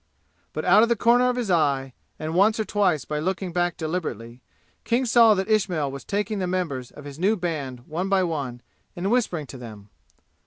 But out of the corner of his eye, and once or twice by looking back deliberately, King saw that Ismail was taking the members of his new band one by one and whispering to them.